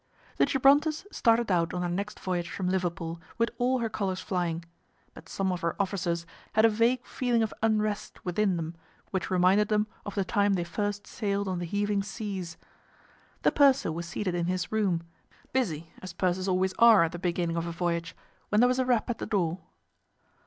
The Gibrontus started out on her next voyage from Liverpool with all her colours flying, but some of her officers had a vague feeling of unrest within them which reminded them of the time they first sailed on the heaving seas. The purser was seated in his room, busy, as pursers always are at the beginning of a voyage, when there was a rap at the door.